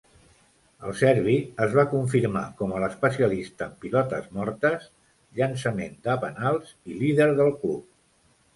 El serbi es va confirmar com el especialista en pilotes mortes, llançament de penals i líder del club.